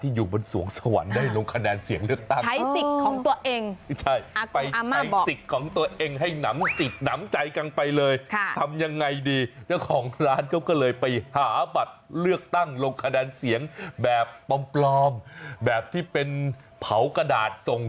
ที่อยู่บนสวงสวรรค์ได้ลงคะแดนเสียง